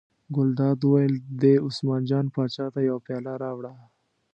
ګلداد وویل: دې عثمان جان پاچا ته یوه پیاله راوړه.